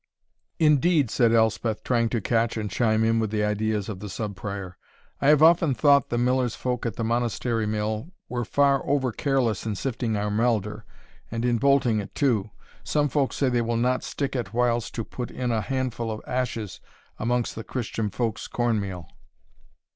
"Indeed," said Elspeth, trying to catch and chime in with the ideas of the Sub Prior, "I have often thought the miller's folk at the Monastery mill were far over careless in sifting our melder, and in bolting it too some folk say they will not stick at whiles to put in a handful of ashes amongst Christian folk's corn meal."